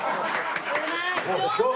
うまい！